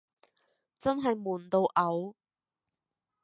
真係悶到嘔